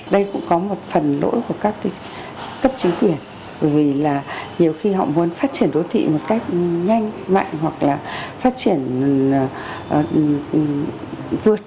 đây cũng có một phần lỗi của các cấp chính quyền bởi vì là nhiều khi họ muốn phát triển đô thị một cách nhanh mạnh hoặc là phát triển vượt